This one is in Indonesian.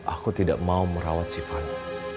aku tidak mau merawat si fani